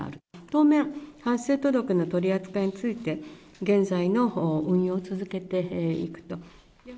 当面、発生届の取り扱いについて、現在の運用を続けていくと。